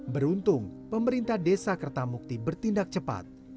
beruntung pemerintah desa kertamukti bertindak cepat